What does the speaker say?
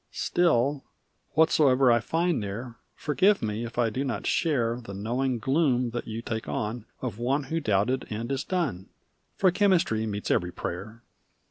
"Still, whatsoever I find there, Forgive me if I do not share The knowing gloom that you take on Of one who doubted and is done: For chemistry meets every prayer."